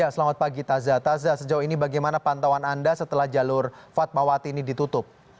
selamat pagi tazah taza sejauh ini bagaimana pantauan anda setelah jalur fatmawati ini ditutup